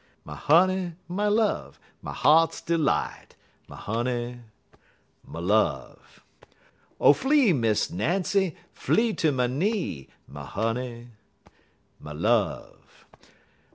My honey, my love, my heart's delight My honey, my love!_ _Oh, flee, Miss Nancy, flee ter my knee, My honey, my love!